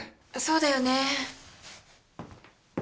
そうだよね。